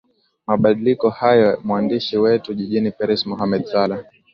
mabadiliko hayo mwandishi wetu jijini paris mohamed saleh